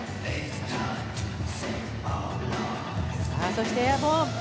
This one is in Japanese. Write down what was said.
そして、エアボーン。